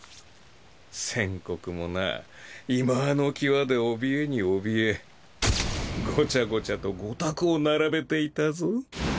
先刻もないまわの際でおびえにおびえごちゃごちゃと御託を並べていたぞ。